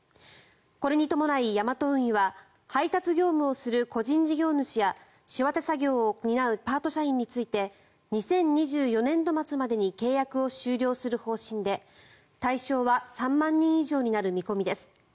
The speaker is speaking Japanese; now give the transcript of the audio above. これに伴い、ヤマト運輸は配達業務をする個人事業主や仕分け作業を担うパート社員について２０２４年度末までに契約を終了する方針で対象は３万人以上になる見込みです。